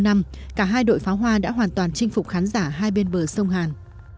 năm cả hai đội pháo hoa đã hoàn toàn chinh phục khán giả hai bên bờ sông hàn